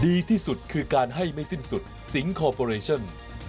ดีที่สุดคือการให้ไม่สิ้นสุดสิงคอร์ปอเรชั่น